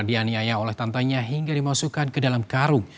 dianiaya oleh tantenya hingga dimasukkan ke dalam karung